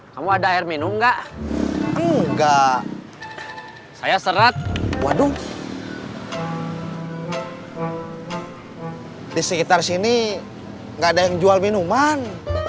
kamu ada air minum enggak enggak enggak saya serat waduh di sekitar sini nggak ada yang jual minuman